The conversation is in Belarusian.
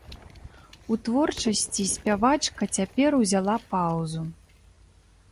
У творчасці спявачка цяпер узяла паўзу.